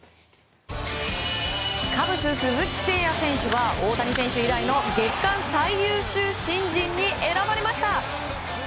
カブス鈴木誠也選手は大谷選手以来の月間最優秀新人に選ばれました。